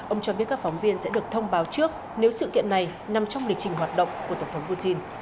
ông cho biết các phóng viên sẽ được thông báo trước nếu sự kiện này nằm trong lịch trình hoạt động của tổng thống putin